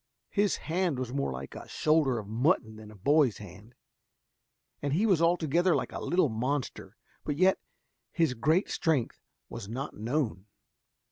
His hand was more like a shoulder of mutton than a boy's hand, and he was altogether like a little monster; but yet his great strength was not known.